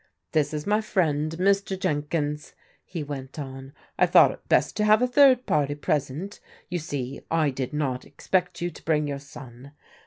" This is my friend, Mr. Jenkins," he went on. " I thought it best to have a third party present. You see, I did not expect you to bring your son.